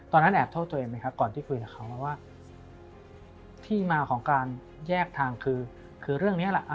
แอบโทษตัวเองไหมครับก่อนที่คุยกับเขาว่าที่มาของการแยกทางคือเรื่องนี้แหละ